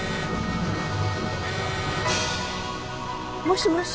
もしもし。